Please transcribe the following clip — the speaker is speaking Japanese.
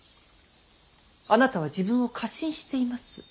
あなたは自分を過信しています。